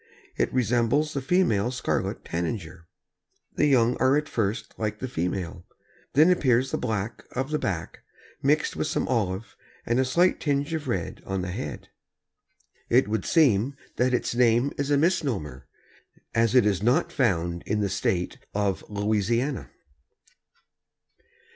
It resembles the female Scarlet Tanager. The young are at first like the female. Then appears the black of the back, mixed with some olive and a slight tinge of red on the head. It would seem that its name is a misnomer, as it is not found in the State of Louisiana.